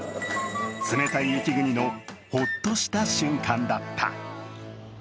冷たい雪国のホッとした瞬間だった。